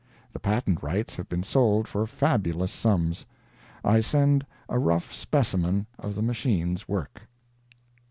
The patent rights have been sold for fabulous sums. I send a rough specimen of the machine's work.